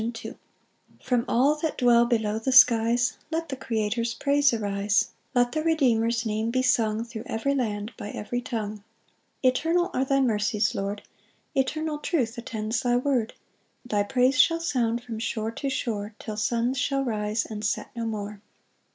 1 From all that dwell below the skies, Let the Creator's praise arise! Let the Redeemer's name be sung Thro' every land, by every tongue. 2 Eternal are thy mercies, Lord; Eternal truth attends thy word: Thy praise shall sound from shore to shore, Till suns shall rise and set no more.